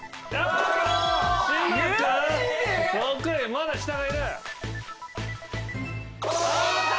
まだ下がいる。